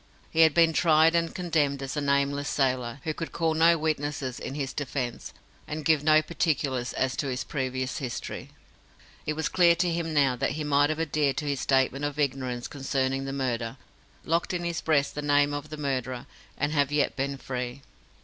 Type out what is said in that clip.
He had been tried and condemned as a nameless sailor, who could call no witnesses in his defence, and give no particulars as to his previous history. It was clear to him now that he might have adhered to his statement of ignorance concerning the murder, locked in his breast the name of the murderer, and have yet been free.